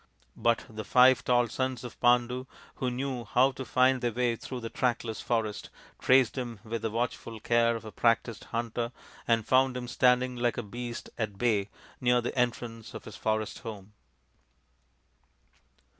But the five tall sons of Pandu, who knew how to find their way through the trackless forest, traced him THE FIVE TALL SONS OF PANDU 117 with the watchful care of the practised hunter and found him standing like a beast at bay near the entrance of his forest home.